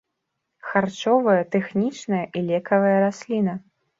Харчовая, тэхнічная і лекавая расліна.